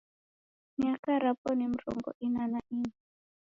Miaka rapo ni mrongo ina na ina.